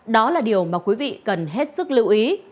đó là điều mà quý vị cần hết sức lưu ý